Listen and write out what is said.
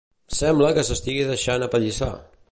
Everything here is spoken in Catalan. Sembla que s'estigui deixant apallissar.